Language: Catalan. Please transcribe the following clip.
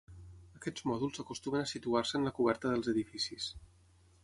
Aquests mòduls acostumen a situar-se en la coberta dels edificis